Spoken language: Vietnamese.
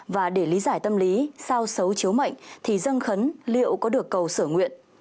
và để lý giải tâm lý sao xấu chiếu mệnh thì dâng khấn liệu có được cầu sửa nguyện